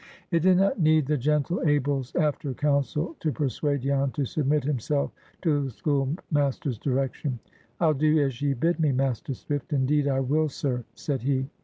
It did not need the gentle Abel's after counsel to persuade Jan to submit himself to the schoolmaster's direction. "I'll do as ye bid me, Master Swift; indeed, I will, sir," said he.